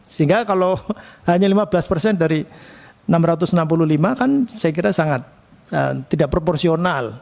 sehingga kalau hanya lima belas persen dari enam ratus enam puluh lima kan saya kira sangat tidak proporsional